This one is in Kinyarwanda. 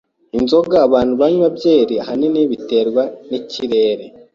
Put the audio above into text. [S] [Inzoga abantu banywa byeri ahanini biterwa nikirere.